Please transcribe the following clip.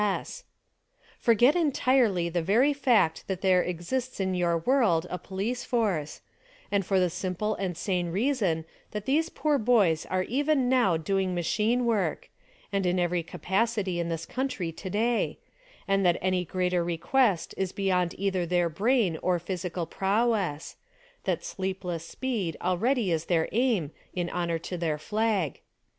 S. S. ! Forget entirely the very fact that there exists in your world a police force ; and for the simple and sane reason that these poor boys are even now doing machine work — and in every capacity in this country today; and that any greater request is beyond either their brain or physical prowess ; that sleepless speed already is their aim in honor to their flag.